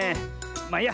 まあいいや。